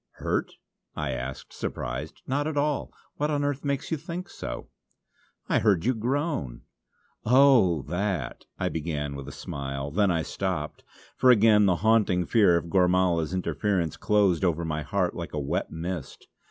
"Hurt?" I asked, surprised "not at all. What on earth makes you think so?" "I heard you groan!" "Oh that " I began with a smile. Then I stopped, for again the haunting fear of Gormala's interference closed over my heart like a wet mist.